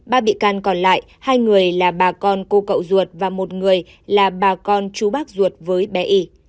ba bị can còn lại hai người là bà con cô cậu ruột và một người là bà con chú bác ruột với bé y